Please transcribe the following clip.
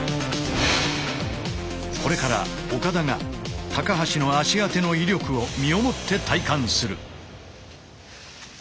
これから岡田が高橋の足当ての威力を身をもって体感する。